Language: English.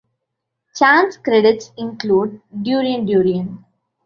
Chan's credits include "Durian Durian".